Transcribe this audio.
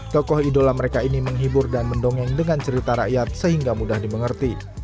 tokoh idola mereka ini menghibur dan mendongeng dengan cerita rakyat sehingga mudah dimengerti